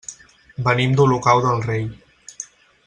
Venim d'Olocau del Rei.